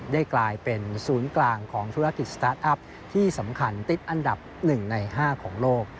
ได้กลายเป็นศูนย์กลางของธุรกิจสตาร์ทอัพที่สำคัญติดอันดับ๑ใน๕ของโลก